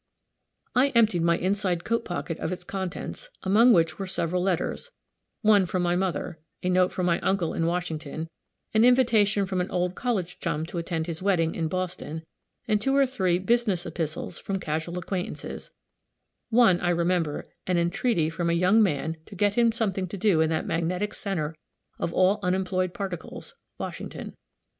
I emptied my inside coat pocket of its contents, among which were several letters one from my mother, a note from my uncle in Washington, an invitation from an old college chum to attend his wedding in Boston, and two or three business epistles from casual acquaintances one, I remember, an entreaty from a young man to get him something to do in that magnetic center of all unemployed particles Washington.